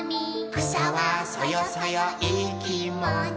「くさはそよそよいいきもち」